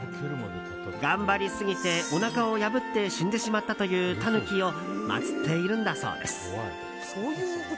頑張りすぎて、おなかを破って死んでしまったというタヌキを祭っているんだそうです。